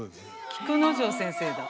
菊之丞先生だ。